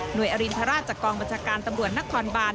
หน่วยอรินทราชจากกองบัชการตำรวจนักคอนบาน